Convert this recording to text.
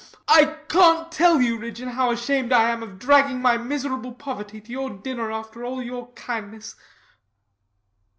I cant tell you, Ridgeon, how ashamed I am of dragging my miserable poverty to your dinner after all your kindness.